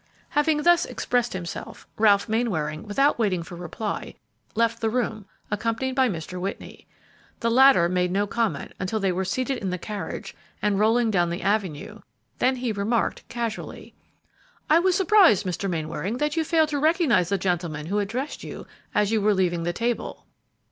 Having thus expressed himself, Ralph Mainwaring, without waiting for reply, left the room accompanied by Mr. Whitney. The latter made no comment until they were seated in the carriage and rolling down the avenue; then he remarked, casually, "I was surprised, Mr. Mainwaring, that you failed to recognize the gentleman who addressed you as you were leaving the table."